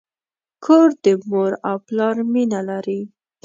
کور د مور او پلار مینه لري.